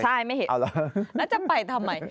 ใช่ไม่เห็นแล้วจะไปทำไม